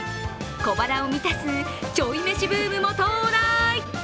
小腹を満たすちょいメシブームも到来。